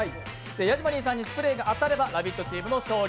ヤジマリーさんにスプレーが当たれば「ラヴィット！」チームの勝利。